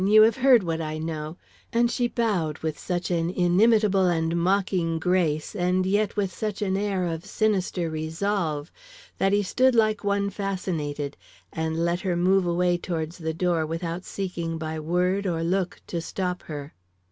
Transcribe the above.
"You have heard what I know," and she bowed with such an inimitable and mocking grace, and yet with such an air of sinister resolve, that he stood like one fascinated, and let her move away towards the door without seeking by word or look to stop her.